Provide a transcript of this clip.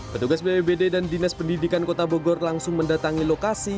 petugas bpbd dan dinas pendidikan kota bogor langsung mendatangi lokasi